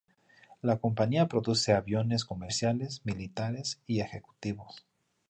La compañía produce aviones comerciales, militares y ejecutivos.